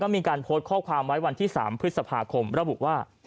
มีการโพสต์ข้อความไว้วันที่๓พฤษภาคมระบุว่า